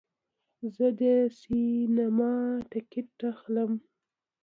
زه د سینما ټکټ اخلم.